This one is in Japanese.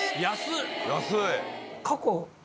安い。